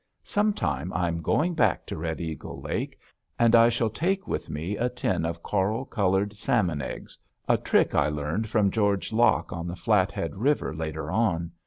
Sometime I am going back to Red Eagle Lake, and I shall take with me a tin of coral colored salmon eggs a trick I learned from George Locke on the Flathead River later on.